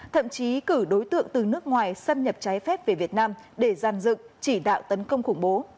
thậm chí cử đối tượng từ nước ngoài xâm nhập trái phép về việt nam để gian dựng chỉ đạo tấn công khủng bố